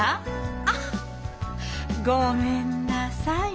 あっごめんなさい。